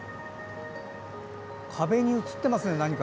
壁に映ってますね、何か。